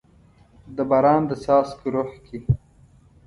د باران د څاڅکو روح کې